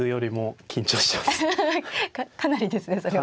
かなりですねそれは。